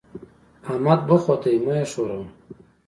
احمد بوخت دی؛ مه يې ښوروه.